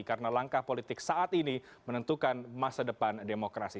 karena langkah politik saat ini menentukan masa depan demokrasi